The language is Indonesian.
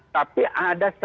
tapi ada strategi